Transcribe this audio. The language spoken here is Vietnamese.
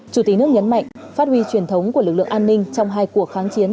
chủ tịch nước nhấn mạnh phát huy truyền thống của lực lượng an ninh trong hai cuộc kháng chiến